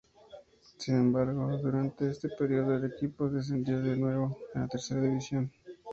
Sin embargo, durante este período, el equipo descendió de nuevo a la tercera división.